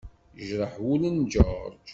Yejreḥ wul n George.